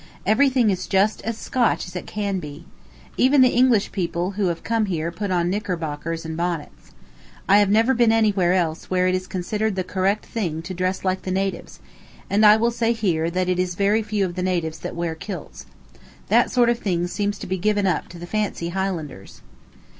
Everything is just as Scotch as it can be. Even the English people who come here put on knickerbockers and bonnets. I have never been anywhere else where it is considered the correct thing to dress like the natives, and I will say here that it is very few of the natives that wear kilts. That sort of thing seems to be given up to the fancy Highlanders.